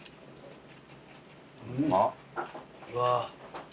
うわ。